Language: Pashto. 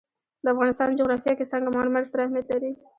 د افغانستان جغرافیه کې سنگ مرمر ستر اهمیت لري.